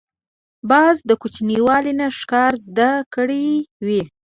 باز د کوچنیوالي نه ښکار زده کړی وي